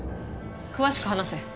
詳しく話せ。